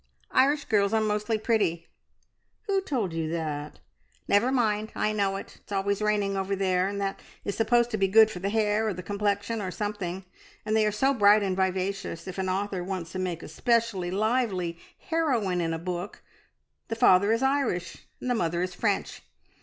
"Irish girls are mostly pretty." "Who told you that?" "Never mind, I know it. It's always raining over there, and that is supposed to be good for the hair, or the complexion, or something. And they are so bright and vivacious. If an author wants to make a specially lively heroine in a book, the father is Irish, and the mother is French.